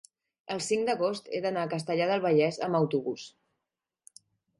el cinc d'agost he d'anar a Castellar del Vallès amb autobús.